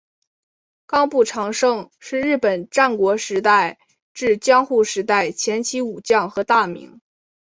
冈部长盛是日本战国时代至江户时代前期武将和大名。